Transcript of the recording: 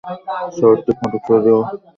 শহরটি ফটিকছড়ি উপজেলার বৃহত্তম শহরাঞ্চল।